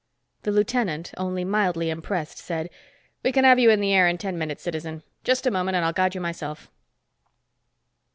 The lieutenant, only mildly impressed, said, "We can have you in the air in ten minutes, citizen. Just a moment and I'll guide you myself."